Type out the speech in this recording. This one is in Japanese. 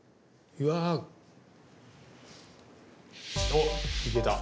おっいけた。